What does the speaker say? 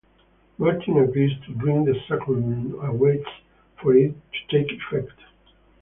Martin agrees to drink the sacrament and waits for it to take effect.